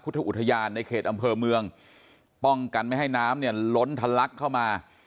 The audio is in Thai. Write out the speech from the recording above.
อุทยานในเขตอำเภอเมืองป้องกันไม่ให้น้ำเนี่ยล้นทะลักเข้ามา